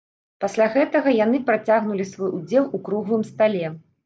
Пасля гэтага яны працягнулі свой удзел у круглым стале.